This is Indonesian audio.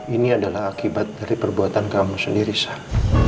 ini adalah akibat dari perbuatan kamu sendiri sah